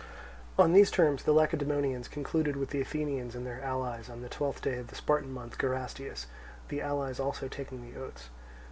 On these terms the Lacedaemonians concluded with the Athenians and their allies on the twelfth day of the Spartan month Gerastius; the allies also taking the oaths.